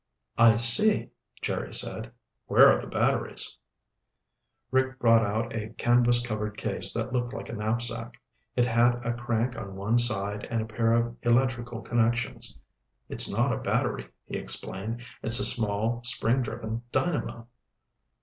"I see," Jerry said. "Where are the batteries?" Rick brought out a canvas covered case that looked like a knapsack. It had a crank on one side and a pair of electrical connections. "It's not a battery," he explained. "It's a small, spring driven dynamo."